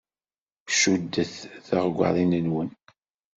Cuddet tiɣggaḍin-nwen.